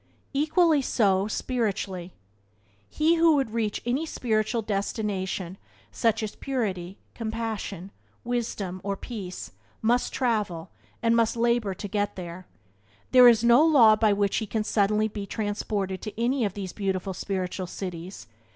Equally so spiritually. He who would reach any spiritual destination, such as purity, compassion, wisdom, or peace, must travel thither, and must labour to get there. There is no law by which he can suddenly be transported to any of these beautiful spiritual cities.